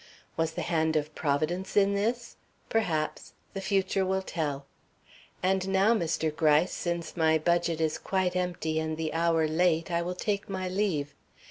Was the hand of Providence in this? Perhaps. The future will tell. And now, Mr. Gryce, since my budget is quite empty and the hour late, I will take my leave.